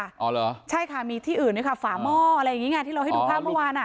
อ๋อเหรอใช่ค่ะมีที่อื่นด้วยค่ะฝาหม้ออะไรอย่างงี้ไงที่เราให้ดูภาพเมื่อวานอ่ะ